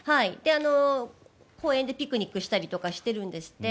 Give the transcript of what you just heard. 公園でピクニックしたりとかしてるんですって。